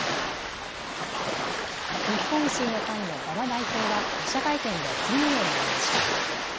日本維新の会の馬場代表は、記者会見で次のように述べました。